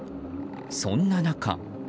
そんな中。